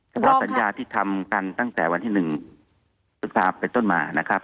เพราะสัญญาที่ทำกันตั้งแต่วันที่๑สุดภาพเป็นต้นหมา